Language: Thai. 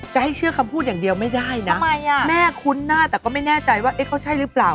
จะให้เชื่อคำพูดอย่างเดียวไม่ได้นะแม่คุ้นหน้าแต่ก็ไม่แน่ใจว่าเขาใช่หรือเปล่า